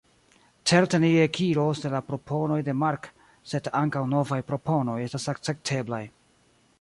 Certe ni ekiros de la proponoj de Mark, sed ankaŭ novaj proponoj estas akcepteblaj.